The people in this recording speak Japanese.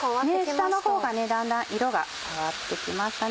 下のほうがだんだん色が変わって来ました。